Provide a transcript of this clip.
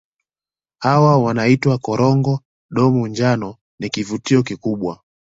Hawa wanaitwa Korongo Domo njano ni kivutio kikubwa